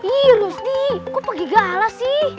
iya rusdi kok pake galas sih